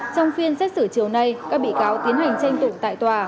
trong phiên xét xử chiều nay các bị cáo tiến hành tranh tụng tại tòa